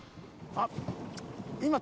あっ！